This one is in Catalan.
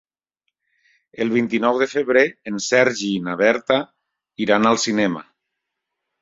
El vint-i-nou de febrer en Sergi i na Berta iran al cinema.